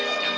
đang làm gì